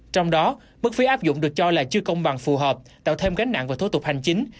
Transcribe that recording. trong đó mức phí áp dụng được cho là chưa công bằng phù hợp tạo thêm gánh nặng về thủ tục hành chính